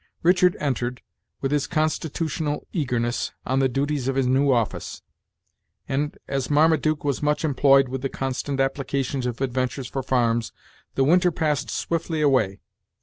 Richard entered, with his constitutional eagerness, on the duties of his new office; and, as Marmaduke was much employed with the constant applications of adventures for farms, the winter passed swiftly away.